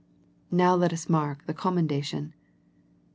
Now let us mark the commendation.